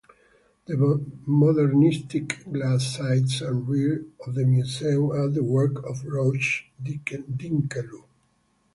The modernistic glass sides and rear of the museum are the work of Roche-Dinkeloo.